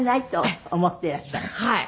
はい。